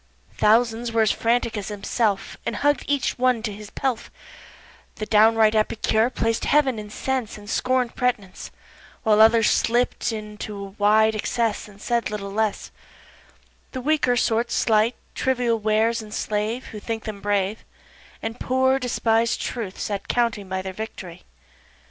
Thousands there were as frantic as himself And hugg'd each one his pelf, The downright epicure plac'd heav'n in sense And scorn'd pretnece While others slipt into a wide excess Said little less; The weaker sort slight, trivial wares enslave Who think them brave, And poor, despised Truth sat counting by Their victory.